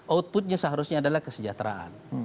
outputnya seharusnya adalah kesejahteraan